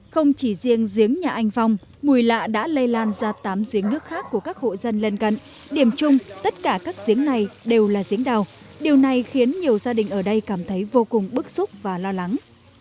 không chỉ riêng giếng nhà anh phong mùi lạ đã lây lan ra tám giếng nước khác của các hộ dân lên cận điểm chung tất cả các giếng này đều là giếng đào điều này khiến nhiều gia đình ở đây cảm thấy vô cùng bức xúc và lo lắng